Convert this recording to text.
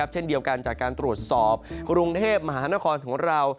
เช่นเดียวกันจากการตรวจสอบกรุงเทพมหานครของเรา